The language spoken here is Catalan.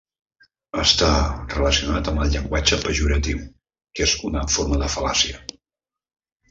Està relacionat amb el llenguatge pejoratiu, que és una forma de fal·làcia.